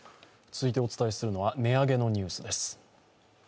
続いてお伝えするのは、値上げのニュースです。